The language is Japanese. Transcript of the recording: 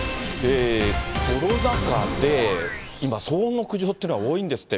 コロナ禍で今、騒音の苦情っていうのは多いんですって。